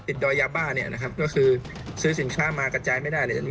ติดดอยยาบ้าซื้อสินค้ามากระจายไม่ได้